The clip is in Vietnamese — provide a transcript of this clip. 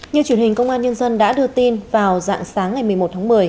như truyền hình công an nhân dân đã đưa tin vào dạng sáng ngày một mươi một tháng một mươi